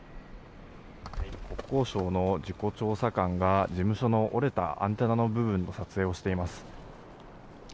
国交省の事故調査官が事務所の折れたアンテナの部分の撮影をしています。